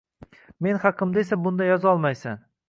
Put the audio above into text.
Men haqimda esa bunday yozolmaysiz.